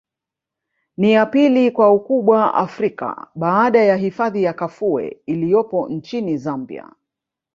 Ni ya pili kwa ukubwa Afrika baada ya hifadhi ya Kafue iliyopo nchini Zambia